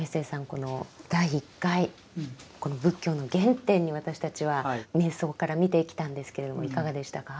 この第１回仏教の原点に私たちは瞑想から見てきたんですけれどもいかがでしたか？